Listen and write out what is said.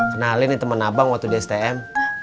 kenalin nih temen abang waktu dia stm